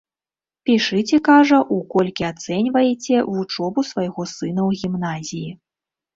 Пішыце, кажа, у колькі ацэньвайце вучобу свайго сына ў гімназіі.